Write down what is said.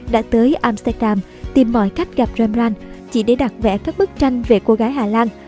đã tới amsterdam tìm mọi cách gặp ramran chỉ để đặt vẽ các bức tranh về cô gái hà lan